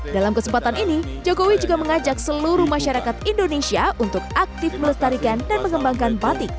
dalam kesempatan ini jokowi juga mengajak seluruh masyarakat indonesia untuk aktif melestarikan dan mengembangkan batik